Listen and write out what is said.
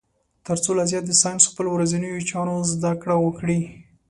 تر څو لا زیات د ساینس خپلو ورځنیو چارو زده کړه وکړي.